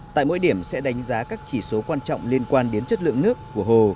tại mỗi điểm sẽ đánh giá các chỉ số quan trọng liên quan đến chất lượng nước của hồ